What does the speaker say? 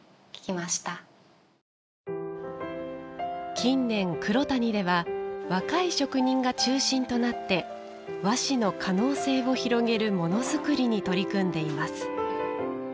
近年、黒谷では若い職人が中心となって和紙の可能性を広げるものづくりに取り組んでいます。